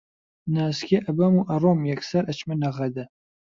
نازکێ ئەبەم و ئەڕۆم یەکسەر ئەچمە نەغەدە